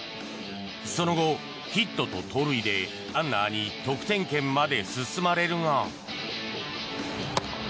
その後、ヒットと盗塁でランナーに得点圏まで進まれるが。